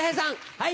はい。